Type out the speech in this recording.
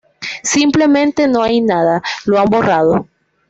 Simplemente no hay nada, lo han borrado.